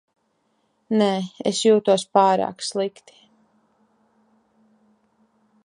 Nē, es jūtos pārāk slikti.